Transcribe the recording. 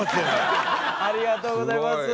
ありがとうございます。